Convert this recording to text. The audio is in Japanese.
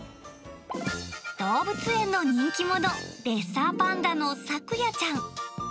動物園の人気者、レッサーパンダの咲弥ちゃん。